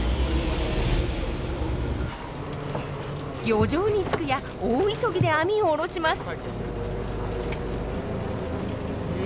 漁場に着くや大急ぎで網を下ろします。